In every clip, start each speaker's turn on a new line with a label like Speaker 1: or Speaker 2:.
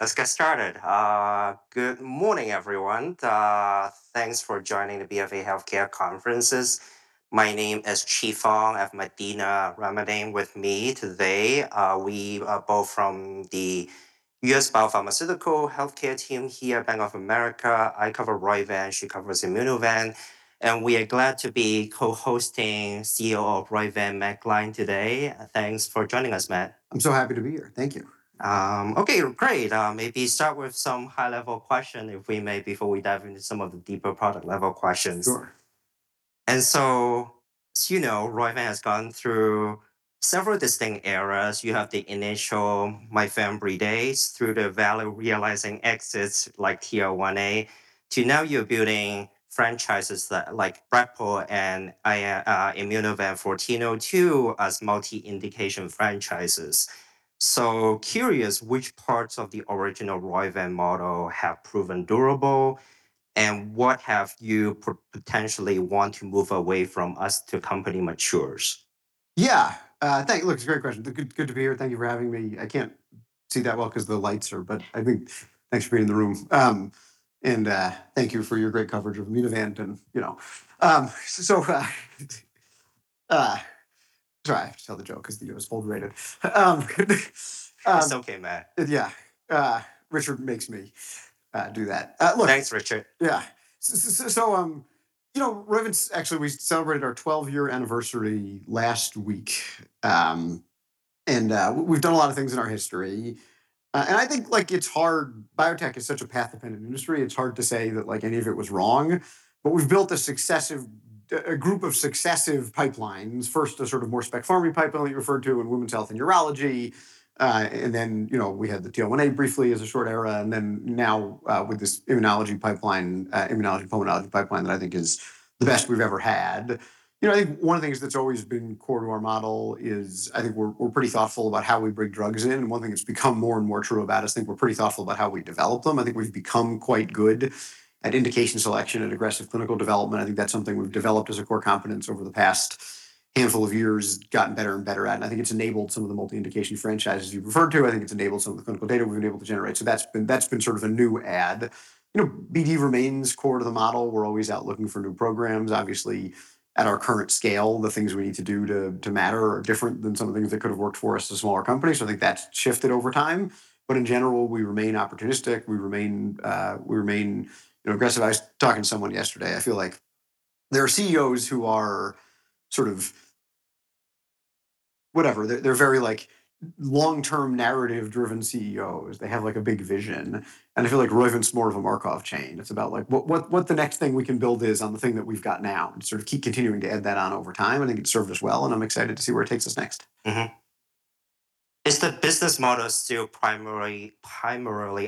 Speaker 1: Let's get started. Good morning, everyone. Thanks for joining the BofA Healthcare Conferences. My name is Chi Fong. I have Dina Ramadane with me today. We are both from the U.S. Biopharmaceutical Healthcare team here at Bank of America. I cover Roivant, she covers Immunovant, and we are glad to be co-hosting CEO of Roivant, Matt Gline, today. Thanks for joining us, Matt.
Speaker 2: I'm so happy to be here. Thank you.
Speaker 1: Okay, great. Maybe start with some high-level question, if we may, before we dive into some of the deeper product level questions.
Speaker 2: Sure.
Speaker 1: As you know, Roivant has gone through several distinct eras. You have the initial MYFEMBREE days through the value realizing exits like TL1A to now you're building franchises that like brepocitinib and Immunovant 1402 as multi-indication franchises. Curious which parts of the original Roivant model have proven durable and what have you potentially want to move away from as the company matures?
Speaker 2: Thank you. It's a great question. Good to be here. Thank you for having me. I can't see that well 'cause the lights are. I think thanks for being in the room. Thank you for your great coverage of Immunovant, you know. Sorry, I have to tell the joke 'cause the video is overrated.
Speaker 1: It's okay, Matt.
Speaker 2: Yeah. Richard makes me do that.
Speaker 1: Thanks, Richard.
Speaker 2: Yeah. You know, actually, we celebrated our 12-year anniversary last week, and we've done a lot of things in our history. I think, like, it's hard, biotech is such a path-dependent industry, it's hard to say that, like, any of it was wrong. We've built a group of successive pipelines. First, a sort of more specialty pharma pipeline you referred to in women's health and urology. Then, you know, we had the TL1A briefly as a short era, and then now, with this immunology pipeline, immunology, pulmonology pipeline that I think is the best we've ever had. You know, I think one of the things that's always been core to our model is I think we're pretty thoughtful about how we bring drugs in. One thing that's become more and more true about us, I think we're pretty thoughtful about how we develop them. I think we've become quite good at indication selection and aggressive clinical development. I think that's something we've developed as a core competence over the past handful of years, gotten better and better at, and I think it's enabled some of the multi-indication franchises you referred to. I think it's enabled some of the clinical data we've been able to generate. That's been sort of a new add. You know, BD remains core to the model. We're always out looking for new programs. Obviously, at our current scale, the things we need to do to matter are different than some of the things that could have worked for us as a smaller company. I think that's shifted over time. In general, we remain opportunistic, we remain, you know, aggressive. I was talking to someone yesterday. I feel like there are CEOs who are sort of, whatever. They're very, like, long-term, narrative-driven CEOs. They have, like, a big vision, and I feel like Roivant's more of a Markov chain. It's about, like, what the next thing we can build is on the thing that we've got now, and sort of keep continuing to add that on over time, and it served us well, and I'm excited to see where it takes us next.
Speaker 1: Is the business model still primarily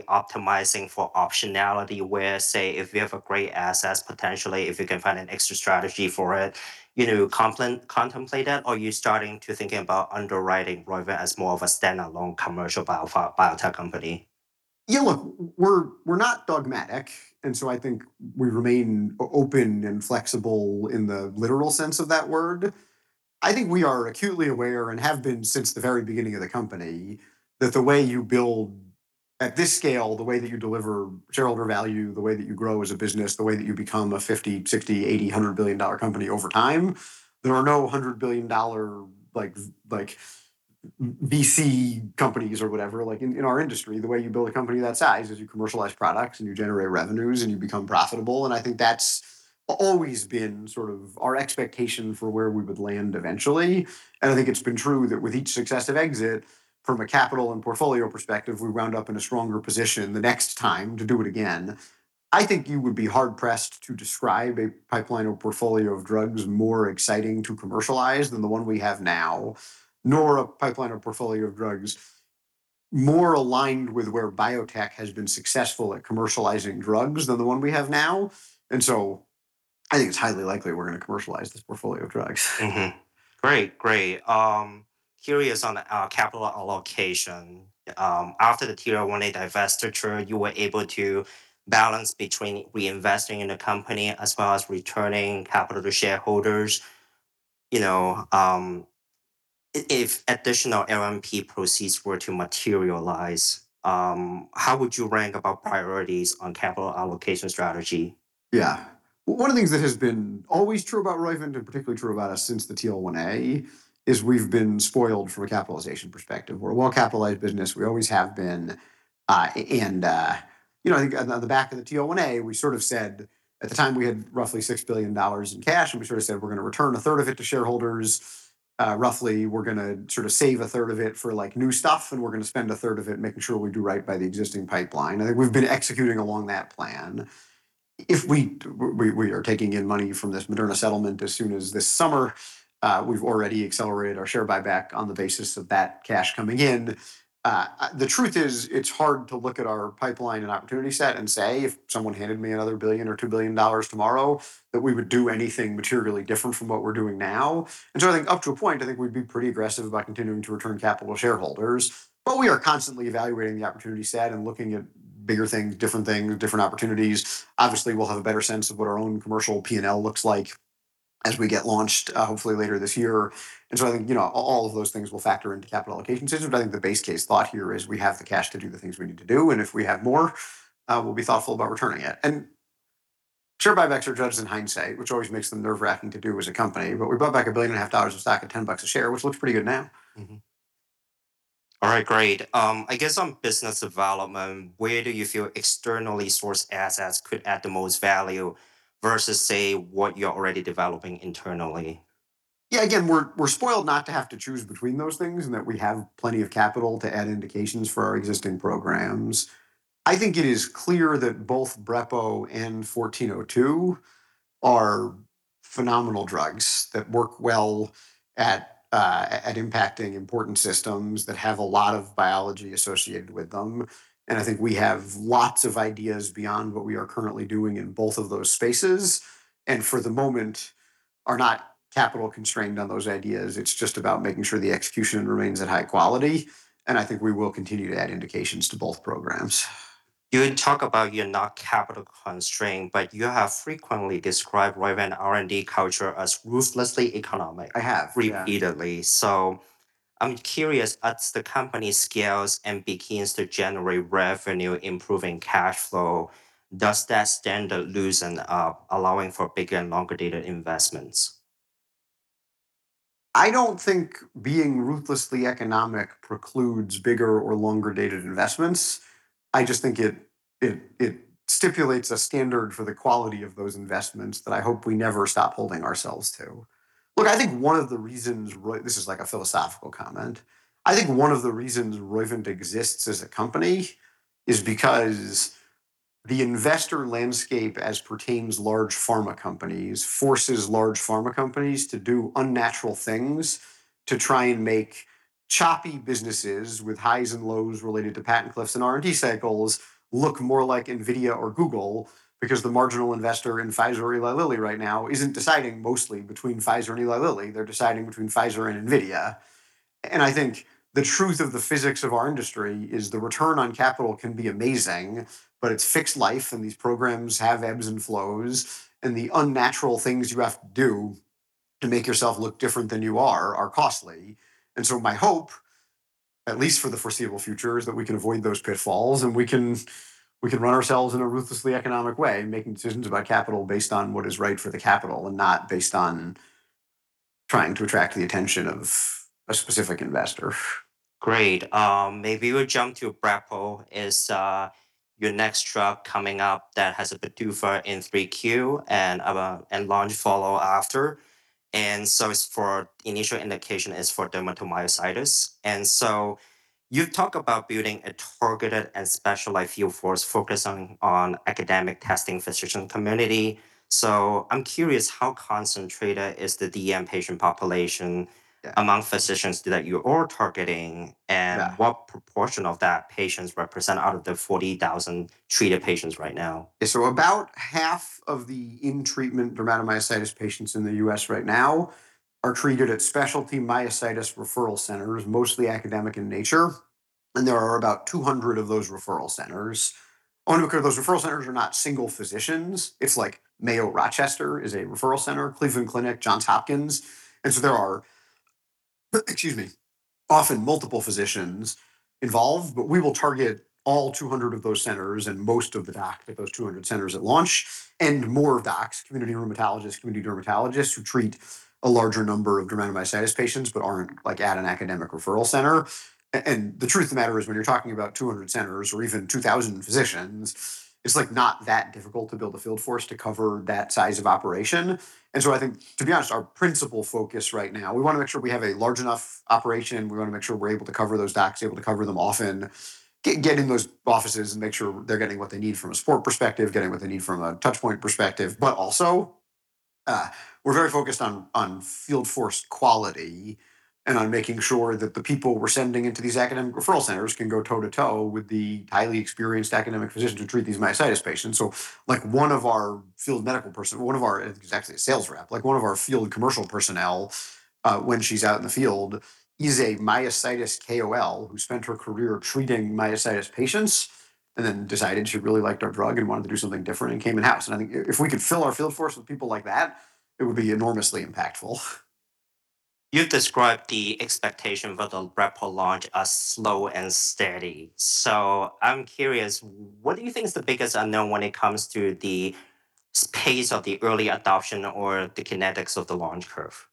Speaker 1: optimizing for optionality, where, say, if you have a great asset, potentially, if you can find an extra strategy for it, you know, contemplate it, or are you starting to thinking about underwriting Roivant as more of a standalone commercial biotech company?
Speaker 2: Look, we're not dogmatic, I think we remain open and flexible in the literal sense of that word. I think we are acutely aware, and have been since the very beginning of the company, that the way you build at this scale, the way that you deliver shareholder value, the way that you grow as a business, the way that you become a $50 billion, $60 billion, $80 billion, $100 billion company over time, there are no $100 billion, like, VC companies or whatever, like, in our industry. The way you build a company that size is you commercialize products and you generate revenues and you become profitable, I think that's always been sort of our expectation for where we would land eventually. I think it's been true that with each successive exit from a capital and portfolio perspective, we round up in a stronger position the next time to do it again. I think you would be hard pressed to describe a pipeline or portfolio of drugs more exciting to commercialize than the one we have now, nor a pipeline or portfolio of drugs more aligned with where biotech has been successful at commercializing drugs than the one we have now. I think it's highly likely we're gonna commercialize this portfolio of drugs.
Speaker 1: Great. Great. Curious on capital allocation. After the TL1A divestiture, you were able to balance between reinvesting in the company as well as returning capital to shareholders. You know, if additional LNP proceeds were to materialize, how would you rank about priorities on capital allocation strategy?
Speaker 2: One of the things that has been always true about Roivant, and particularly true about us since the TL1A, is we've been spoiled from a capitalization perspective. We're a well-capitalized business. We always have been. You know, I think on the back of the TL1A, we sort of said at the time we had roughly $6 billion in cash, and we sort of said, "We're gonna return a third of it to shareholders, roughly we're gonna sort of save a third of it for, like, new stuff, and we're gonna spend a third of it making sure we do right by the existing pipeline." I think we've been executing along that plan. If we are taking in money from this Moderna settlement as soon as this summer, we've already accelerated our share buyback on the basis of that cash coming in. The truth is, it's hard to look at our pipeline and opportunity set and say if someone handed me another $1 billion or $2 billion tomorrow, that we would do anything materially different from what we're doing now. I think up to a point, I think we'd be pretty aggressive about continuing to return capital to shareholders. We are constantly evaluating the opportunity set and looking at bigger things, different things, different opportunities. Obviously, we'll have a better sense of what our own commercial P&L looks like as we get launched, hopefully later this year. I think, you know, all of those things will factor into capital allocation decisions, but I think the base case thought here is we have the cash to do the things we need to do, and if we have more, we'll be thoughtful about returning it. Share buybacks are judged in hindsight, which always makes them nerve-wracking to do as a company, but we bought back $1.5 billion of stock at $10 a share, which looks pretty good now.
Speaker 1: All right, great. I guess on business development, where do you feel externally sourced assets could add the most value versus, say, what you're already developing internally?
Speaker 2: Yeah, again, we're spoiled not to have to choose between those things in that we have plenty of capital to add indications for our existing programs. I think it is clear that both brepocitinib and IMVT-1402 are phenomenal drugs that work well at impacting important systems that have a lot of biology associated with them. I think we have lots of ideas beyond what we are currently doing in both of those spaces, and for the moment are not capital constrained on those ideas. It's just about making sure the execution remains at high quality. I think we will continue to add indications to both programs.
Speaker 1: You talk about you're not capital constrained, but you have frequently described Roivant R&D culture as ruthlessly economic repeatedly.
Speaker 2: I have, yeah.
Speaker 1: I'm curious, as the company scales and begins to generate revenue improving cash flow, does that standard loosen up, allowing for bigger and longer data investments?
Speaker 2: I don't think being ruthlessly economic precludes bigger or longer dated investments. I just think it stipulates a standard for the quality of those investments that I hope we never stop holding ourselves to. I think one of the reasons this is like a philosophical comment. I think one of the reasons Roivant exists as a company is because the investor landscape as pertains large pharma companies, forces large pharma companies to do unnatural things to try and make choppy businesses with highs and lows related to patent cliffs and R&D cycles look more like NVIDIA or Google because the marginal investor in Pfizer or Eli Lilly right now isn't deciding mostly between Pfizer and Eli Lilly. They're deciding between Pfizer and NVIDIA. I think the truth of the physics of our industry is the return on capital can be amazing, but it's fixed life, and these programs have ebbs and flows, and the unnatural things you have to do to make yourself look different than you are, are costly. My hope, at least for the foreseeable future, is that we can avoid those pitfalls, and we can run ourselves in a ruthlessly economic way, making decisions about capital based on what is right for the capital and not based on trying to attract the attention of a specific investor.
Speaker 1: Great. Maybe we'll jump to brepocitinib. Is your next drug coming up that has a PDUFA in 3Q and about and launch follow after. As for initial indication is for dermatomyositis. You've talked about building a targeted and specialized field force focused on academic testing physician community. I'm curious, how concentrated is the DM patient population among physicians that you are targeting?
Speaker 2: Yeah
Speaker 1: What proportion of that patients represent out of the 40,000 treated patients right now?
Speaker 2: About half of the in-treatment dermatomyositis patients in the U.S. right now are treated at specialty myositis referral centers, mostly academic in nature, and there are about 200 of those referral centers. Only because those referral centers are not single physicians. It's like Mayo Rochester is a referral center, Cleveland Clinic, Johns Hopkins. There are, excuse me, often multiple physicians involved, but we will target all 200 of those centers and most of the docs at those 200 centers at launch, and more of the docs, community rheumatologists, community dermatologists, who treat a larger number of dermatomyositis patients but aren't, like, at an academic referral center. The truth of the matter is when you're talking about 200 centers or even 2,000 physicians, it's, like, not that difficult to build a field force to cover that size of operation. I think, to be honest, our principal focus right now, we wanna make sure we have a large enough operation. We wanna make sure we're able to cover those docs, able to cover them often, get in those offices and make sure they're getting what they need from a support perspective, getting what they need from a touch point perspective. Also, we're very focused on field force quality and on making sure that the people we're sending into these academic referral centers can go toe-to-toe with the highly experienced academic physicians who treat dermatomyositis patients. Like, one of our field medical, it's actually a sales rep. Like, one of our field commercial personnel, when she's out in the field is a myositis KOL who spent her career treating myositis patients and then decided she really liked our drug and wanted to do something different and came in-house. I think if we could fill our field force with people like that, it would be enormously impactful.
Speaker 1: You've described the expectation for the brepocitinib launch as slow and steady. I'm curious, what do you think is the biggest unknown when it comes to the pace of the early adoption or the kinetics of the launch curve?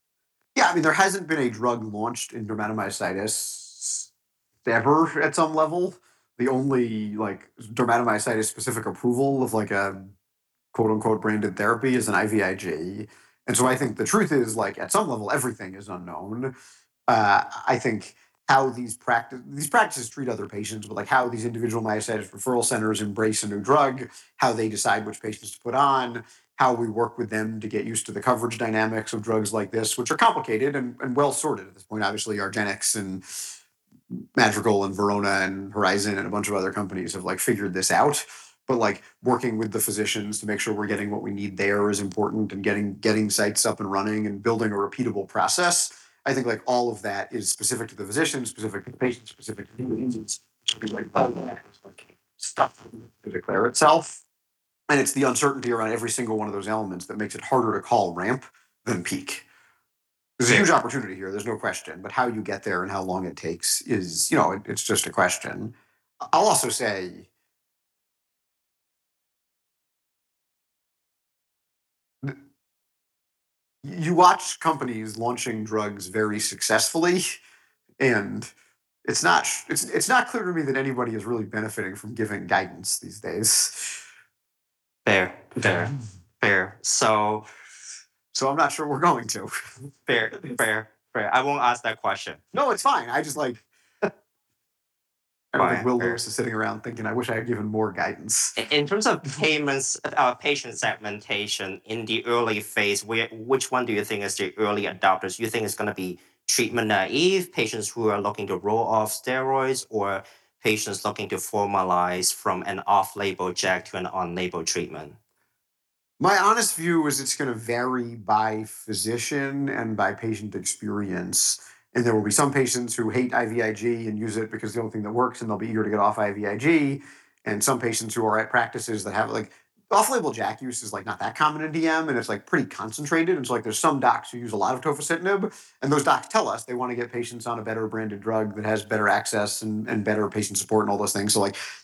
Speaker 2: Yeah. I mean, there hasn't been a drug launched in dermatomyositis ever at some level. The only, like, dermatomyositis specific approval of, like, a, quote-unquote, branded therapy is an IVIG. I think the truth is, like, at some level, everything is unknown. I think how, these practices treat other patients, but, like, how these individual myositis referral centers embrace a new drug, how they decide which patients to put on, how we work with them to get used to the coverage dynamics of drugs like this, which are complicated and well sorted. Obviously, argenx and Madrigal and Verona and Horizon and a bunch of other companies have, like, figured this out. Working with the physicians to make sure we're getting what we need there is important, and getting sites up and running and building a repeatable process. I think, like, all of that is specific to the physician, specific to the patient, specific to the disease. It's like stuff to declare itself. It's the uncertainty around every single one of those elements that makes it harder to call ramp than peak.
Speaker 1: Exactly.
Speaker 2: There's a huge opportunity here, there's no question, but how you get there and how long it takes is, you know, it's just a question. I'll also say you watch companies launching drugs very successfully, and it's not clear to me that anybody is really benefiting from giving guidance these days.
Speaker 1: Fair. Fair. Fair.
Speaker 2: I'm not sure we're going to.
Speaker 1: Fair. Fair. Fair. I won't ask that question.
Speaker 2: No, it's fine. I just like
Speaker 1: Fine. Fair.
Speaker 2: Will Lewis is sitting around thinking, I wish I had given more guidance.
Speaker 1: In terms of payments, patient segmentation in the early phase, which one do you think is the early adopters? Do you think it's gonna be treatment-naive patients who are looking to roll off steroids, or patients looking to formalize from an off-label JAK to an on-label treatment?
Speaker 2: My honest view is it's gonna vary by physician and by patient experience. There will be some patients who hate IVIG and use it because it's the only thing that works, and they'll be eager to get off IVIG. Some patients who are at practices that have off-label JAK use is not that common in DM, and it's pretty concentrated. There's some docs who use a lot of tofacitinib, and those docs tell us they wanna get patients on a better branded drug that has better access and better patient support and all those things.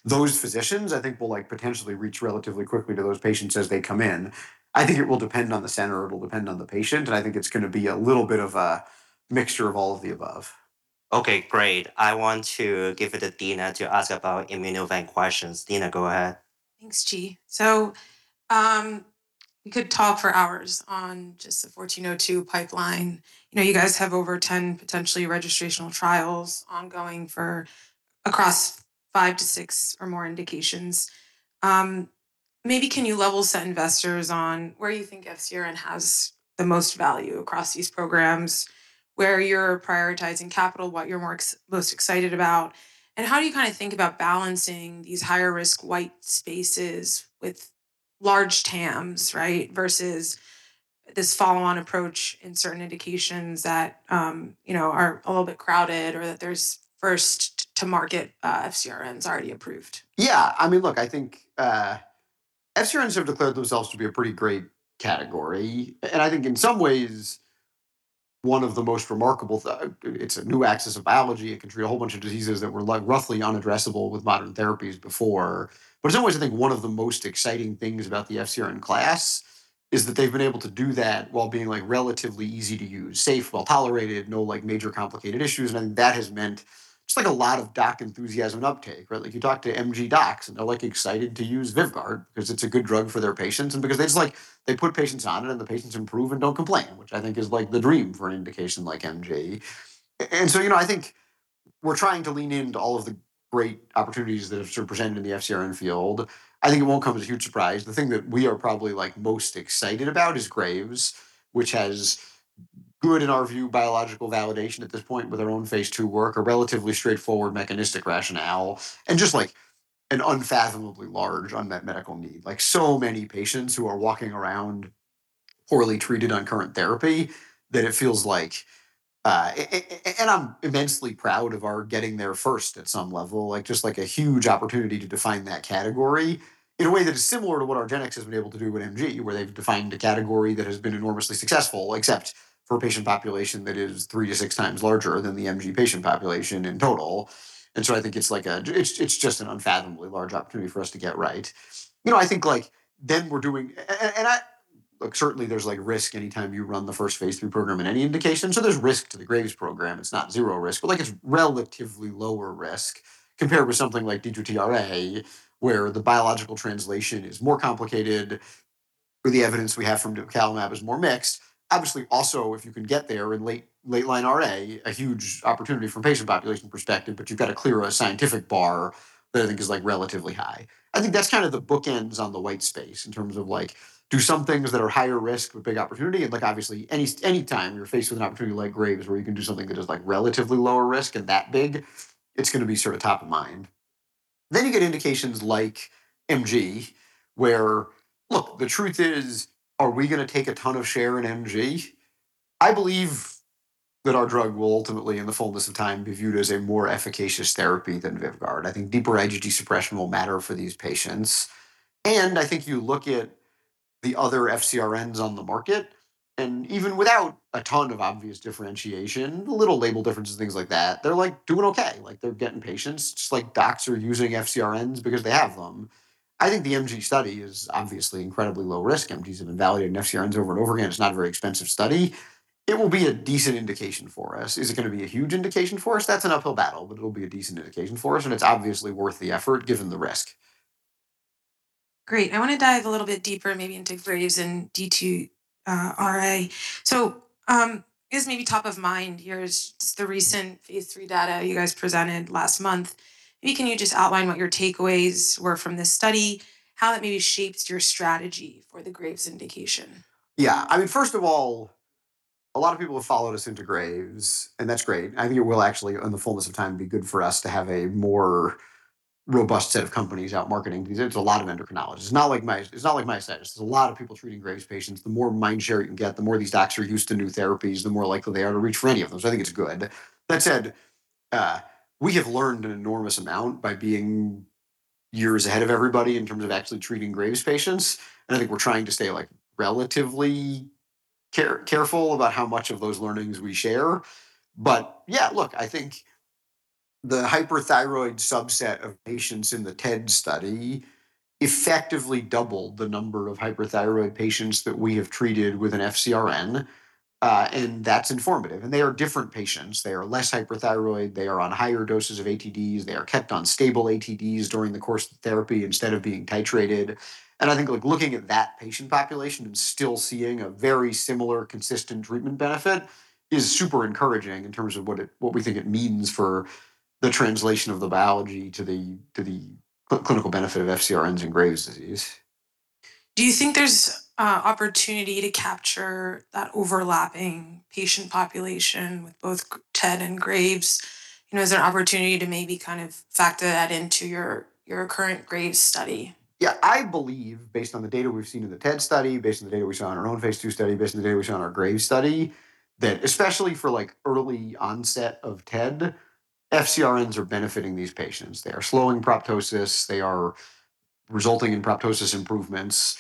Speaker 2: Those physicians, I think, will potentially reach relatively quickly to those patients as they come in. I think it will depend on the center, it'll depend on the patient, and I think it's gonna be a little bit of a mixture of all of the above.
Speaker 1: Okay, great. I want to give it to Dina to ask about Immunovant questions. Dina, go ahead.
Speaker 3: Thanks, Chi. We could talk for hours on just the 1402 pipeline. You know, you guys have over 10 potentially registrational trials ongoing for across five to six or more indications. Maybe can you level set investors on where you think FcRn has the most value across these programs, where you're prioritizing capital, what you're most excited about, and how do you kind of think about balancing these higher risk white spaces with large TAMs, right, versus this follow-on approach in certain indications that, you know, are a little bit crowded or that there's first to market FcRns already approved?
Speaker 2: Yeah. I mean, look, I think, FcRns have declared themselves to be a pretty great category. I think in some ways one of the most remarkable, it's a new axis of biology. It can treat a whole bunch of diseases that were roughly unaddressable with modern therapies before. In some ways, I think one of the most exciting things about the FcRn class is that they've been able to do that while being, like, relatively easy to use. Safe, well-tolerated, no, like, major complicated issues, I think that has meant just, like, a lot of doc enthusiasm uptake, right? Like, you talk to MG docs, and they're, like, excited to use Vyvgart because it's a good drug for their patients and because they just, like, put patients on it, and the patients improve and don't complain, which I think is, like, the dream for an indication like MG. You know, I think we're trying to lean into all of the great opportunities that are sort of presented in the FcRn field. I think it won't come as a huge surprise, the thing that we are probably, like, most excited about is Graves, which has good, in our view, biological validation at this point with our own phase II work, a relatively straightforward mechanistic rationale, and just, like, an unfathomably large unmet medical need. Like, so many patients who are walking around poorly treated on current therapy, that it feels like, and I'm immensely proud of our getting there first at some level. Like, just, like, a huge opportunity to define that category in a way that is similar to what Argenx has been able to do with MG, where they've defined a category that has been enormously successful except for a patient population that is three to six times larger than the MG patient population in total. I think it's, like, it's just an unfathomably large opportunity for us to get right. You know, I think, like, we're doing and look, certainly there's, like, risk any time you run the first phase III program in any indication, so there's risk to the Graves' program. It's not zero risk, like, it's relatively lower risk compared with something like D2T RA, where the biological translation is more complicated or the evidence we have from nipocalimab is more mixed. Obviously, also, if you can get there in late-line RA, a huge opportunity from a patient population perspective, you've got to clear a scientific bar that I think is, like, relatively high. I think that's kind of the bookends on the white space in terms of, like, do some things that are higher risk with big opportunity. Like, obviously, any time you're faced with an opportunity like Graves where you can do something that is, like, relatively lower risk and that big, it's gonna be sort of top of mind. You get indications like MG where look, the truth is, are we gonna take a ton of share in MG? I believe that our drug will ultimately, in the fullness of time, be viewed as a more efficacious therapy than Vyvgart. I think deeper IgG suppression will matter for these patients. I think you look at the other FcRns on the market, and even without a ton of obvious differentiation, the little label differences and things like that, they're, like, doing okay. They're getting patients, just like docs are using FcRns because they have them. I think the MG study is obviously incredibly low risk. MGs have been validating FcRns over and over again. It's not a very expensive study. It will be a decent indication for us. Is it gonna be a huge indication for us? That's an uphill battle, but it'll be a decent indication for us, and it's obviously worth the effort given the risk.
Speaker 3: Great. I wanna dive a little bit deeper maybe into Graves and D2T RA. I guess maybe top of mind here is just the recent phase III data you guys presented last month. Maybe can you just outline what your takeaways were from this study, how that maybe shaped your strategy for the Graves indication?
Speaker 2: I mean, first of all, a lot of people have followed us into Graves, and that's great. I think it will actually, in the fullness of time, be good for us to have a more robust set of companies out marketing, because it's a lot of endocrinologists. It's not like myasthenias. There's a lot of people treating Graves' patients. The more mindshare you can get, the more these docs are used to new therapies, the more likely they are to reach for any of those. I think it's good. That said, we have learned an enormous amount by being years ahead of everybody in terms of actually treating Graves' patients. I think we're trying to stay, like, relatively careful about how much of those learnings we share. Yeah, look, I think the hyperthyroid subset of patients in the TED study effectively doubled the number of hyperthyroid patients that we have treated with an FcRn, and that's informative. They are different patients. They are less hyperthyroid. They are on higher doses of ATDs. They are kept on stable ATDs during the course of therapy instead of being titrated. I think, like, looking at that patient population and still seeing a very similar consistent treatment benefit is super encouraging in terms of what we think it means for the translation of the biology to the clinical benefit of FcRns in Graves' disease.
Speaker 3: Do you think there's opportunity to capture overlapping patient population with both TED and Graves? You know, is there an opportunity to maybe kind of factor that into your current Graves study?
Speaker 2: Yeah. I believe based on the data we've seen in the TED study, based on the data we saw in our own phase II study, based on the data we saw in our Graves study, that especially for, like, early onset of TED, FcRns are benefiting these patients. They are slowing proptosis. They are resulting in proptosis improvements.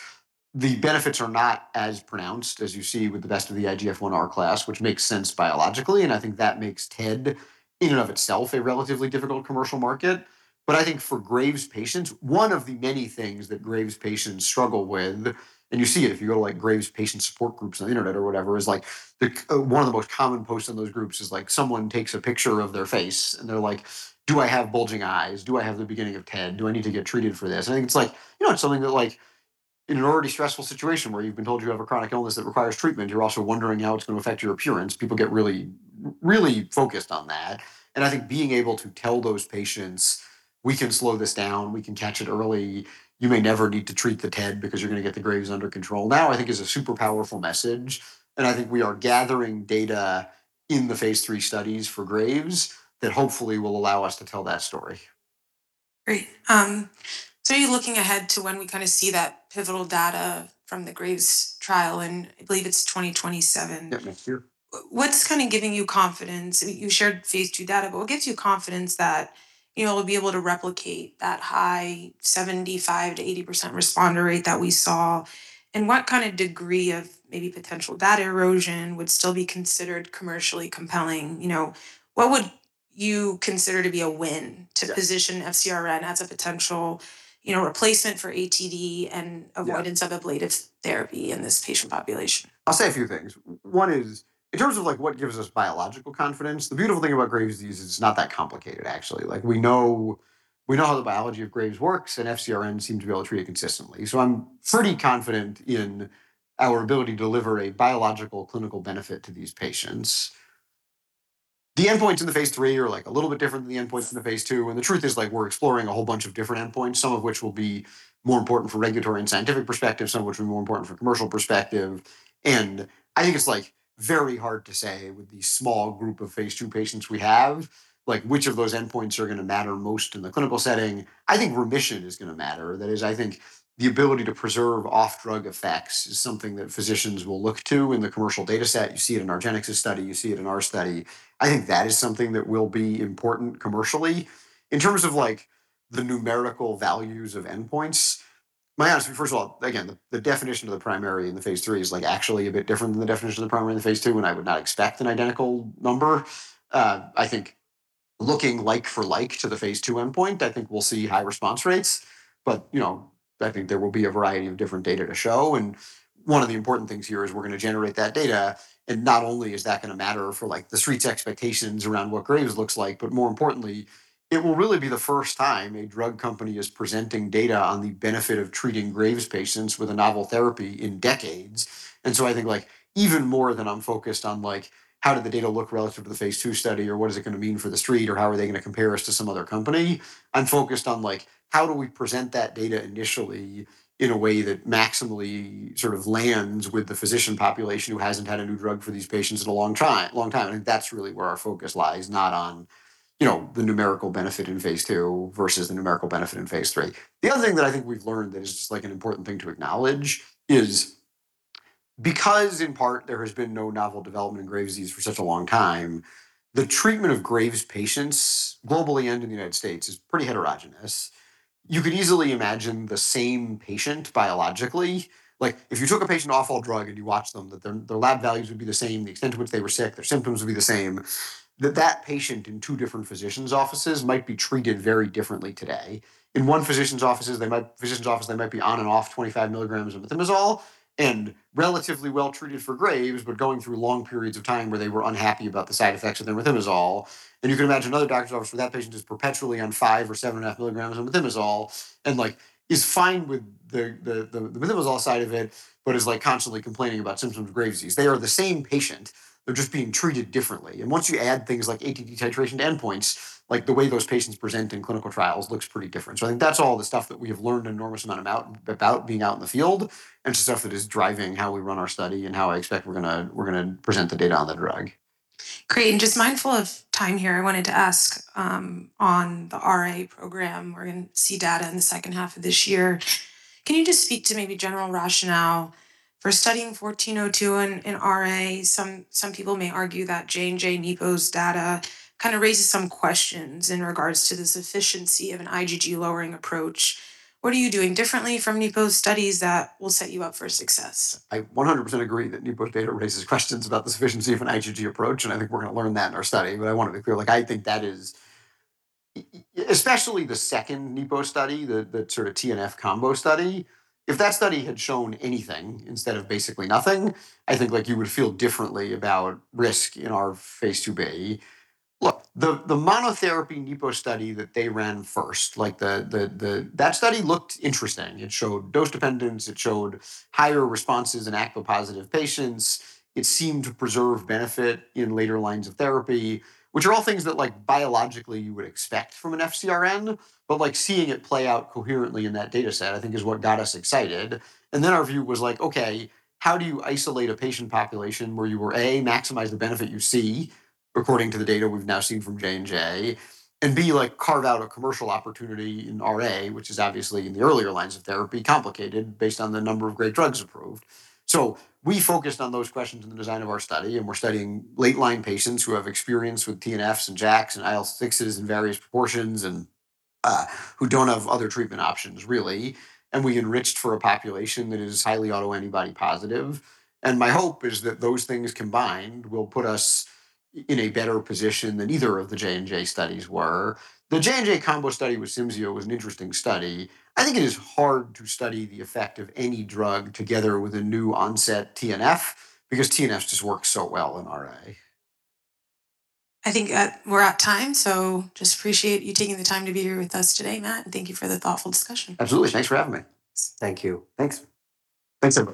Speaker 2: The benefits are not as pronounced as you see with the best of the IGF-1R class, which makes sense biologically, and I think that makes TED, in and of itself, a relatively difficult commercial market. I think for Graves patients, one of the many things that Graves patients struggle with, and you see it if you go to, like, Graves patient support groups on the internet or whatever, is like one of the most common posts in those groups is, like, someone takes a picture of their face, and they're like, do I have bulging eyes? Do I have the beginning of TED? Do I need to get treated for this? I think it's like, you know, it's something that like in an already stressful situation where you've been told you have a chronic illness that requires treatment, you're also wondering how it's gonna affect your appearance. People get really focused on that. I think being able to tell those patients, we can slow this down. We can catch it early. You may never need to treat the TED because you're gonna get the Graves' under control. That, I think is a super powerful message. I think we are gathering data in the phase III studies for Graves' that hopefully will allow us to tell that story.
Speaker 3: Great. You're looking ahead to when we kind of see that pivotal data from the Graves' trial in, I believe it's 2027.
Speaker 2: Yep. Next year.
Speaker 3: What's kind of giving you confidence? You shared phase II data. What gives you confidence that, you know, we'll be able to replicate that high 75%-80% responder rate that we saw? What kind of degree of maybe potential data erosion would still be considered commercially compelling? You know, what would you consider to be a win to position FcRn as a potential, you know, replacement for ATD and avoidance of ablative therapy in this patient population?
Speaker 2: I'll say a few things. One is in terms of, like, what gives us biological confidence, the beautiful thing about Graves' disease is it's not that complicated, actually. Like, we know how the biology of Graves' works, and FcRn seem to be able to treat it consistently. I'm pretty confident in our ability to deliver a biological clinical benefit to these patients. The endpoints in the phase III are, like, a little bit different than the endpoints in the phase II. The truth is, like, we're exploring a whole bunch of different endpoints, some of which will be more important for regulatory and scientific perspective, some of which will be more important for commercial perspective. I think it's very hard to say with the small group of phase II patients we have, which of those endpoints are gonna matter most in the clinical setting. I think remission is gonna matter. That is, I think the ability to preserve off-drug effects is something that physicians will look to in the commercial dataset. You see it in our GENESIS study. You see it in our study. I think that is something that will be important commercially. In terms of the numerical values of endpoints, my honest First of all, again, the definition of the primary in the phase III is actually a bit different than the definition of the primary in the phase II, I would not expect an identical number. I think looking like for like to the phase II endpoint, I think we'll see high response rates. You know, I think there will be a variety of different data to show. One of the important things here is we're gonna generate that data, and not only is that gonna matter for, like, the street's expectations around what Graves' looks like, but more importantly, it will really be the first time a drug company is presenting data on the benefit of treating Graves' patients with a novel therapy in decades. I think, like, even more than I'm focused on, like, how did the data look relative to the phase II study, or what is it gonna mean for the street, or how are they gonna compare us to some other company, I'm focused on, like, how do we present that data initially in a way that maximally sort of lands with the physician population who hasn't had a new drug for these patients in a long time, long time. That's really where our focus lies, not on, you know, the numerical benefit in phase II versus the numerical benefit in phase III. The other thing that I think we've learned that is just, like, an important thing to acknowledge is because, in part, there has been no novel development in Graves' disease for such a long time, the treatment of Graves' patients globally and in the United States is pretty heterogeneous. You could easily imagine the same patient biologically. Like, if you took a patient off a drug and you watched them, that their lab values would be the same, the extent to which they were sick, their symptoms would be the same, that that patient in two different physicians' offices might be treated very differently today. In one physician's office, they might be on and off 25 mg of methimazole and relatively well-treated for Graves', but going through long periods of time where they were unhappy about the side effects of their methimazole. You can imagine another doctor's office where that patient is perpetually on 5 mg or 7.5 mg of methimazole and, like, is fine with the methimazole side of it, but is, like, constantly complaining about symptoms of Graves' disease. They are the same patient. They're just being treated differently. Once you add things like ATD titration to endpoints, like, the way those patients present in clinical trials looks pretty different. I think that's all the stuff that we have learned an enormous amount about being out in the field and stuff that is driving how we run our study and how I expect we're gonna present the data on the drug.
Speaker 3: Great. Just mindful of time here, I wanted to ask on the RA program, we're gonna see data in the second half of this year. Can you just speak to maybe general rationale for studying 1402 in RA, some people may argue that J&J nipocalimab's data kind of raises some questions in regards to the sufficiency of an IgG lowering approach. What are you doing differently from nipocalimab's studies that will set you up for success?
Speaker 2: I 100% agree that nipocalimab's data raises questions about the sufficiency of an IgG approach, and I think we're gonna learn that in our study. I want to be clear, like I think that is especially the second nipocalimab study, the sort of TNF combo study. If that study had shown anything instead of basically nothing, I think like you would feel differently about risk in our phase II-B. Look, the monotherapy nipocalimab study that they ran first, like, that study looked interesting. It showed dose dependence. It showed higher responses in ACPA positive patients. It seemed to preserve benefit in later lines of therapy, which are all things that like biologically you would expect from an FcRn. Like seeing it play out coherently in that data set I think is what got us excited. Our view was like, okay, how do you isolate a patient population where, A, maximize the benefit you see according to the data we've now seen from J&J, and B, like carve out a commercial opportunity in RA, which is obviously in the earlier lines of therapy complicated based on the number of great drugs approved. We focused on those questions in the design of our study, and we're studying late line patients who have experience with TNFs and JAKs and IL-6s in various proportions and who don't have other treatment options really. We enriched for a population that is highly autoantibody positive. My hope is that those things combined will put us in a better position than either of the J&J studies were. The J&J combo study with Cimzia was an interesting study. I think it is hard to study the effect of any drug together with a new onset TNF because TNFs just work so well in RA.
Speaker 3: I think, we're at time. Just appreciate you taking the time to be here with us today, Matt, and thank you for the thoughtful discussion.
Speaker 2: Absolutely. Thanks for having me.
Speaker 1: Thank you.
Speaker 2: Thanks everybody